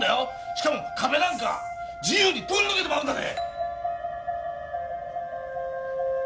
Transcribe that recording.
しかも壁なんか自由に通り抜けてまうんだで。